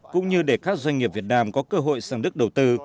cũng như để các doanh nghiệp việt nam có cơ hội sang đức đầu tư